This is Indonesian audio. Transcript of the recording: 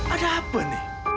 ada apa ini